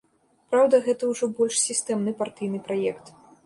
Праўда, гэта ўжо больш сістэмны партыйны праект.